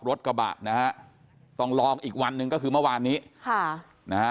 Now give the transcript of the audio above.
รถกระบะนะฮะต้องลองอีกวันหนึ่งก็คือเมื่อวานนี้ค่ะนะฮะ